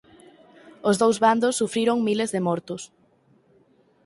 Os dous bandos sufriron miles de mortos.